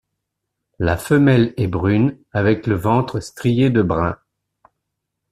La femelle est brune avec le ventre strié de brun.